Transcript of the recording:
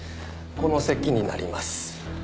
この席になります。